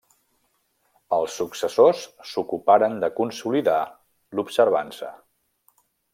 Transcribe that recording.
Els successors s'ocuparen de consolidar l'Observança.